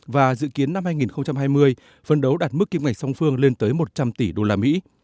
và dự kiến năm hai nghìn hai mươi phân đấu đạt mức kim ngạch song phương lên tới một trăm linh tỷ đô la mỹ